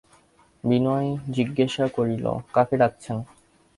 বিনয় জিজ্ঞাসা করিল, কাকে ডাকছেন?